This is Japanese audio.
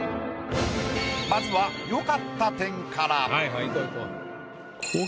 まずは良かった点から。